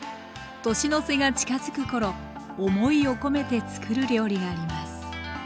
年の瀬が近づく頃思いを込めてつくる料理があります。